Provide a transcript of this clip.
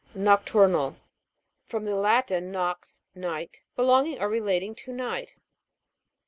NOCTUR'NAL. From the Latin, nox, night. Belonging or relating to night.